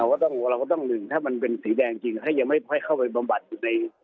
ก็ต้องหัวเราก็ต้องหนึ่งถ้ามันเป็นสีแดงจริงให้ยังไม่ค่อยเข้าไปบำบัดอยู่ใน